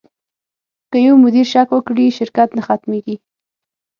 که یو مدیر شک وکړي، شرکت نه ختمېږي.